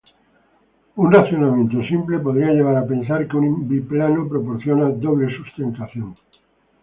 Un razonamiento simple podría llevar a pensar que un biplano proporciona doble sustentación.